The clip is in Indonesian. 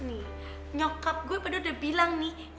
nih nyokap gue padahal udah bilang nih